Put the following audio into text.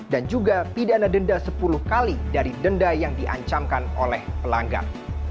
dan juga pidana denda sepuluh kali dari denda yang di ancamkan oleh pelanggar